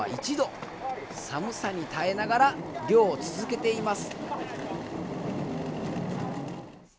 寒さに耐えながら漁を続けています。